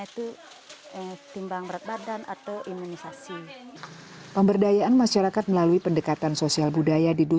itu timbang berat badan atau imunisasi pemberdayaan masyarakat melalui pendekatan sosial budaya di